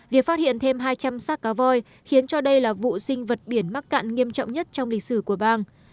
việc phát hiện thêm hai trăm linh sát cá voi khiến cho đây là vụ sinh vật biển mắc cạn nghiêm trọng nhất trong lịch sử của bang